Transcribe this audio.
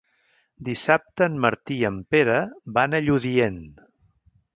Dissabte en Martí i en Pere van a Lludient.